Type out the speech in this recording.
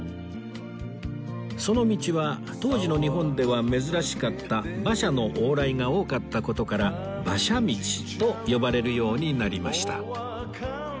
その道は当時の日本では珍しかった馬車の往来が多かった事から馬車道と呼ばれるようになりました